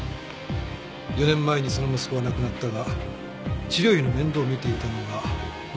４年前にその息子は亡くなったが治療費の面倒を見ていたのはマテリアメディカだ。